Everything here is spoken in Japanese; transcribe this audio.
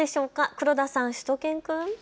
黒田さん、しゅと犬くん。